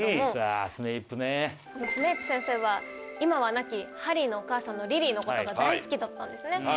スネイプ先生は今は亡きハリーのお母さんのリリーのことが大好きだったんですね